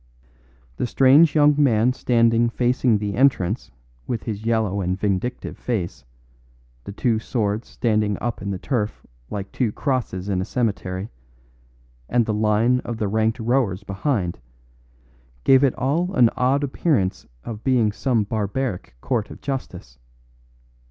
The strange young man standing facing the entrance with his yellow and vindictive face, the two swords standing up in the turf like two crosses in a cemetery, and the line of the ranked towers behind, gave it all an odd appearance of being some barbaric court of justice.